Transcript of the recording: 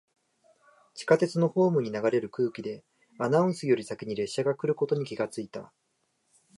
地下鉄のホームに流れる空気で、アナウンスより先に列車が来ることに気がついた。